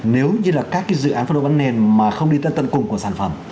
nếu như là các cái dự án phân lô bán nền mà không đi tới tân cùng của sản phẩm